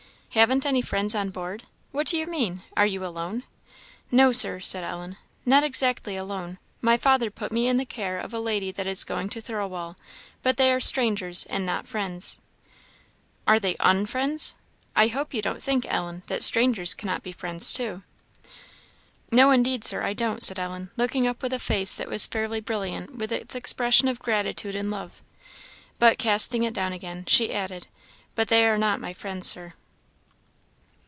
"Haven't any friends on board! what do you mean? Are you alone?" "No, Sir," said Ellen, "not exactly alone; my father put me in the care of a lady that is going to Thirlwall; but they are strangers and not friends." "Are they _un_friends? I hope you don't think, Ellen, that strangers cannot be friends too?" "No, indeed, Sir, I don't," said Ellen, looking up with a face that was fairly brilliant with its expression of gratitude and love. But, casting it down again, she added, "But they are not my friends, Sir."